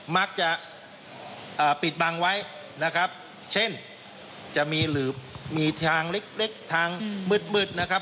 มักจะปิดบังไว้นะครับเช่นจะมีหรือมีทางเล็กทางมืดมืดนะครับ